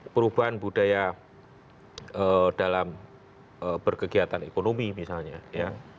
perubahan budaya dalam berkegiatan ekonomi misalnya ya